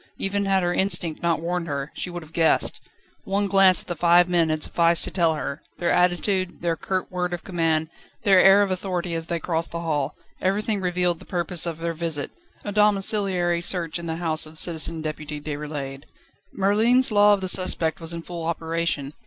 Even had her instinct not warned her, she would have guessed. One glance at the five men had sufficed to tell her: their attitude, their curt word of command, their air of authority as they crossed the hall everything revealed the purpose of their visit: a domiciliary search in the house of Citizen Deputy Déroulède. Merlin's Law of the Suspect was in full operation.